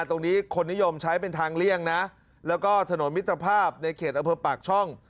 คนนี้คนนิยมใช้เป็นทางเลี่ยงนะแล้วก็ถนนมิตรภาพในเขตอำเภอปากช่อง